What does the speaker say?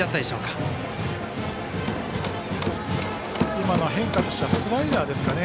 今のは変化としてはスライダーですかね。